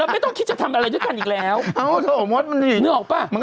แล้วไม่ต้องขี้ก็ทำอะไรด้วยกันอีกแล้วโทษหมดนึกออกป้ะ